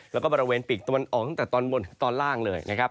แล้วก็บริเวณปีกตะวันออกตั้งแต่ตอนบนถึงตอนล่างเลยนะครับ